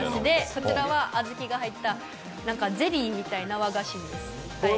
こちらは小豆が入った、ゼリーみたいな和菓子です。